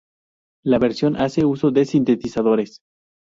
La versión hace uso de sintetizadores.